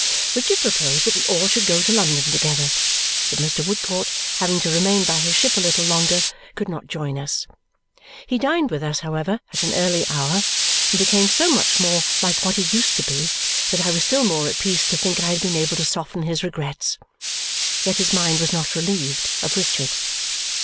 Richard proposed that we all should go to London together; but Mr. Woodcourt, having to remain by his ship a little longer, could not join us. He dined with us, however, at an early hour, and became so much more like what he used to be that I was still more at peace to think I had been able to soften his regrets. Yet his mind was not relieved of Richard.